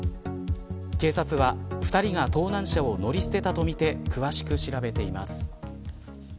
警察は２人が盗難車を乗り捨てたとみて詳しく調べています。